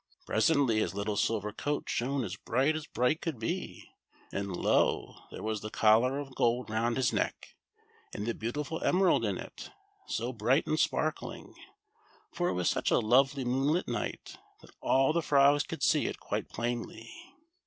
Presently his little silver coat shone as bright as bright could be, and lo ! there was the collar of gold round his neck, and the beautiful emerald in it, so bright and sparkling, for it was such a lovely moonlight night that all the frogs could see it quite plainly.